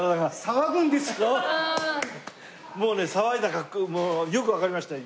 もうね騒いだよくわかりましたよ